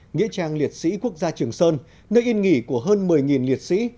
nghĩa trang liệt sĩ quốc gia trường sơn nơi yên nghỉ của hơn một mươi liệt sĩ